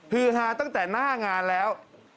ฮือฮาตั้งแต่หน้างานแล้ว